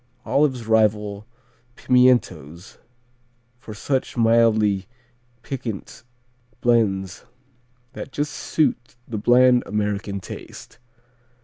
Olives rival pimientos for such mildly piquant blends that just suit the bland American taste.